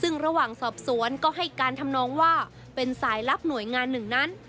ซึ่งระหว่างสอบสวนก็ให้การทำนองว่าเป็นสายลับหน่วยงานหนึ่งนั้น